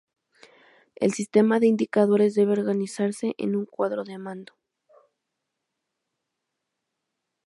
El sistema de indicadores debe organizarse en un cuadro de mando.